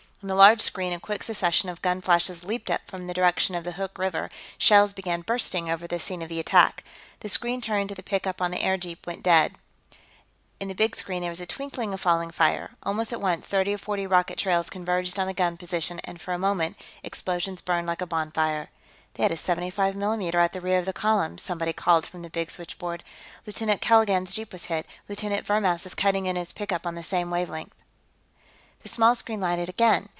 In the large screen, a quick succession of gun flashes leaped up from the direction of the Hoork River and shells began bursting over the scene of the attack. The screen tuned to the pickup on the airjeep went dead; in the big screen, there was a twinkling of falling fire. Almost at once, thirty or forty rocket trails converged on the gun position, and, for a moment, explosions burned like a bonfire. "They had a 75 mm at the rear of the column," somebody called from the big switchboard. "Lieutenant Kalanang's jeep was hit; Lieutenant Vermaas is cutting in his pickup on the same wavelength." The small screen lighted again.